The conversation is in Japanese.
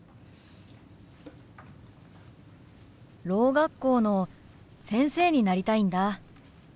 ろう学校の先生になりたいんだ。